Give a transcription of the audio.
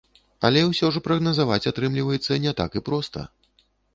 Але ўсё ж прагназаваць атрымліваецца не так і проста.